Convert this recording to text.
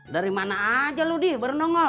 dari mana aja lu di baru nongol